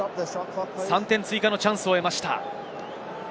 ３点追加のチャンスを得ました。